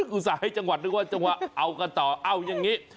อุตส่าห์ให้จังหวัดนึกว่าจังหวัดเอากันต่อเอาอย่างนี้